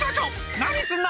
「何すんの！」